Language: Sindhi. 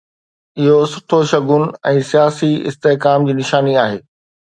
اهو سٺو شگون ۽ سياسي استحڪام جي نشاني آهي.